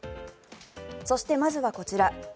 そしてまずはこちら。